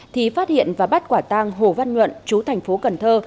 thì phát hiện và bắt quả tang hồ văn nhuận chú thành phố cần thơ